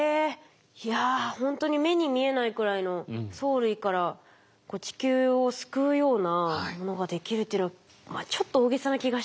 いやほんとに目に見えないくらいの藻類から地球を救うようなものができるっていうのはちょっと大げさな気がしちゃいますけど。